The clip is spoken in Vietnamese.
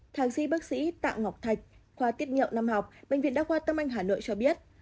thàng sĩ bác sĩ tạng ngọc thạch khoa tiết nhiệm năm học bệnh viện đắc hoa tâm anh hà nội cho biết